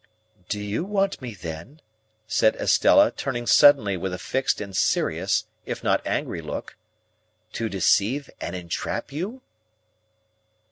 "Do you want me then," said Estella, turning suddenly with a fixed and serious, if not angry, look, "to deceive and entrap you?"